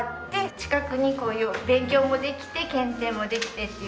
近くにこういう勉強もできて検定もできてっていうのは。